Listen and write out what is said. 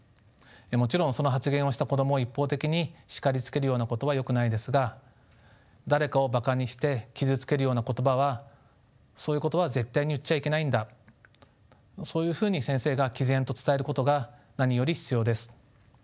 もちろんその発言をした子供を一方的に叱りつけるようなことはよくないですが誰かをバカにして傷つけるような言葉はそういうことは絶対に言っちゃいけないんだそういうふうに先生がきぜんと伝えることが何より必要です。